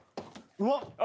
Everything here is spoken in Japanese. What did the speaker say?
うまっ。